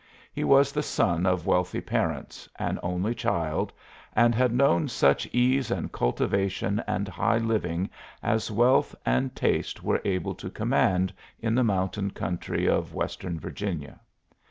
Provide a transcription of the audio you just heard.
He was the son of wealthy parents, an only child, and had known such ease and cultivation and high living as wealth and taste were able to command in the mountain country of western Virginia.